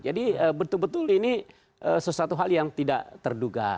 jadi betul betul ini sesuatu hal yang tidak terduga